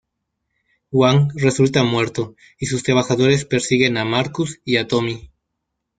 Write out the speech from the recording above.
Wang resulta muerto y sus trabajadores persiguen a Marcus y a Tommy.